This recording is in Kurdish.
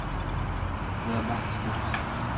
Wê behs kir.